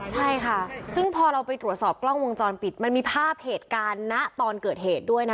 ใช่ค่ะซึ่งพอเราไปตรวจสอบกล้องวงจรปิดมันมีภาพเหตุการณ์ณตอนเกิดเหตุด้วยนะ